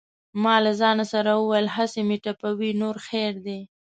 ما له ځانه سره وویل: هسې مې ټپوي نور خیر دی.